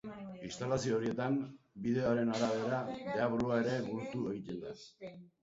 Instalazio horietan, bideoaren arabera, deabrua ere gurtu egiten da.